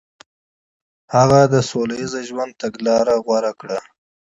هغه د عدم تشدد تګلاره غوره کړه.